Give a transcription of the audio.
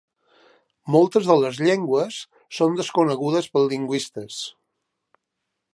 Moltes de les llengües són desconegudes pels lingüistes.